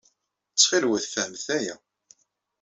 Ttxil-wen, fehmet aya.